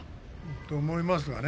そう思いますがね。